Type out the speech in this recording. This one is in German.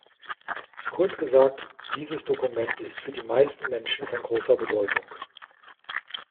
Kurz gesagt, dieses Dokument ist für die meisten Menschen von großer Bedeutung.